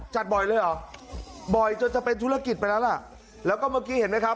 บ่อยเลยเหรอบ่อยจนจะเป็นธุรกิจไปแล้วล่ะแล้วก็เมื่อกี้เห็นไหมครับ